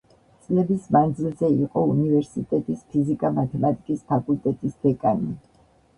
წლების მანძილზე იყო უნივერსიტეტის ფიზიკა-მათემატიკის ფაკულტეტის დეკანი.